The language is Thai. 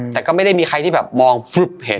แต่ก็ไม่ได้มีใครที่มองเห็น